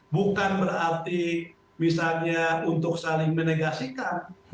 bukan berarti misalnya untuk saling menegasikan